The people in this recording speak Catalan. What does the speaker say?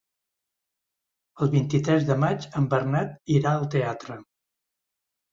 El vint-i-tres de maig en Bernat irà al teatre.